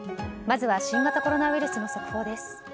まずは新型コロナウイルスの速報です。